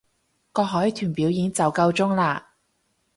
個海豚表演就夠鐘喇